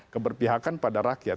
keberpihakan pada rakyat